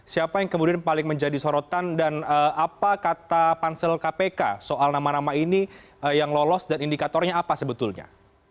siapa yang kemudian paling menjadi sorotan dan apa kata pansel kpk soal nama nama ini yang lolos dan indikatornya apa sebetulnya